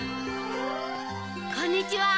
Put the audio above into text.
こんにちは。